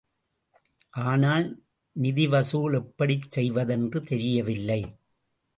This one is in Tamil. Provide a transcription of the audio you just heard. ஆனால் நிதி வசூல் எப்படி செய்வதென்று தெரியவில்லை.